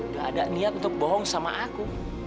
gak ada niat untuk bohong sama aku